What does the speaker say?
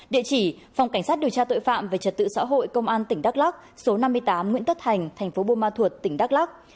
địa chỉ phòng cảnh sát điều tra tội phạm về trật tự xã hội công an tỉnh đắk lắc số năm mươi tám nguyễn tất thành thành phố buôn ma thuột tỉnh đắk lắc